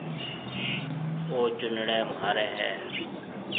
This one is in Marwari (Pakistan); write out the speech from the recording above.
او چونڙَي مهاريَ هيَ؟